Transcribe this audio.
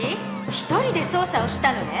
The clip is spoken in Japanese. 一人で捜査をしたのね？